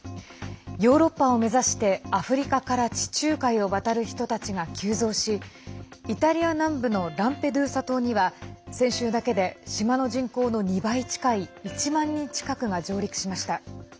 ヨーロッパを目指してアフリカから地中海を渡る人たちが急増しイタリア南部のランペドゥーサ島には先週だけで島の人口の２倍近い１万人近くが上陸しました。